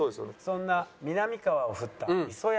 そんなみなみかわをフッた磯山さん。